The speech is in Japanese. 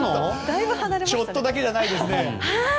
ちょっとだけじゃないですね。